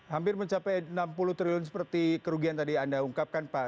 hampir mencapai enam puluh triliun seperti kerugian tadi anda ungkapkan pak